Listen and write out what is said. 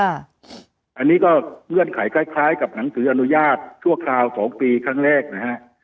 อันนี้ก็เงื่อนไขคล้ายกับหนังสืออนุญาตชั่วคราว๒ปีครั้งแรกนะฮะ